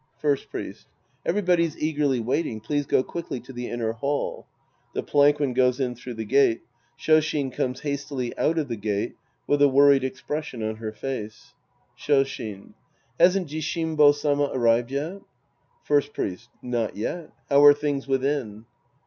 First Priest. Everybody's eagerly waiting. Please go quickly to the inner hall. {J^he palanquin goes in through the gate. Shoshin comes hastily out of the gate with a worried expression on her face ^ Shoshin. Hasn't Jishimbo Sama arrived yet ? First Priest. Not yet. How are things with in?